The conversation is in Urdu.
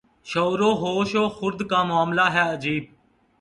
شعور و ہوش و خرد کا معاملہ ہے عجیب